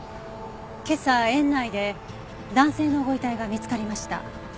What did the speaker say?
今朝園内で男性のご遺体が見つかりました。